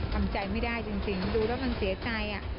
ทำใจไม่ได้จริงดูแล้วมันเสียใจ